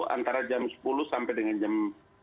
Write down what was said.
antara jam sepuluh sampai dengan jam